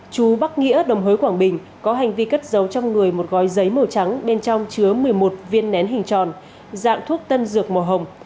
chú bắc nghĩa đồng hới quảng bình có hành vi cất giấu trong người một gói giấy màu trắng bên trong chứa một mươi một viên nén hình tròn dạng thuốc tân dược màu hồng